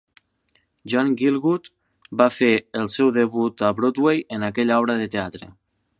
John Gielgud va fer el seu debut a Broadway en aquella obra de teatre.